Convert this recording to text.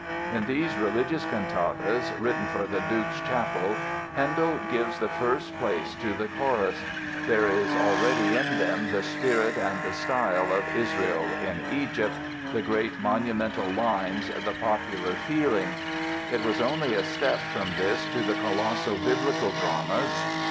In these religious cantatas, written for the Duke's chapel, Handel gives the first place to the chorus.... There is already in them the spirit and the style of 'Israel in Egypt', the great monumental lines, the popular feeling. It was only a step from this to the colossal Biblical dramas."